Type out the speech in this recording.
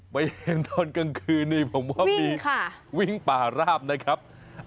ไปเห็นตอนกลางคืนนี่ผมว่ามีวิ่งป่าราบนะครับ